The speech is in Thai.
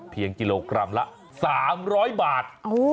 เพียงกิโลกรัมละ๓๐๐บาท